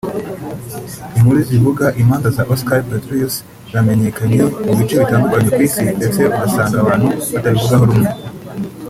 Inkuru zivuga imanza za Oscar Pistorius zamenyekanye mu bice bitandukanye ku isi ndetse ugasanga abantu batabivugaho rumwe